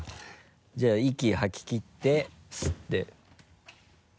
じゃあ息吐ききって吸って。